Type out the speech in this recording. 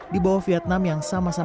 di bawah vietnam yang sama sama